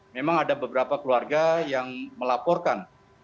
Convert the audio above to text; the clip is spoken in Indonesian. memang ada beberapa keluarga yang melaporkan